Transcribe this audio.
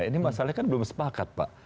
ini masalahnya kan belum sepakat pak